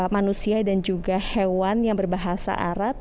manusia dan juga hewan yang berbahasa arab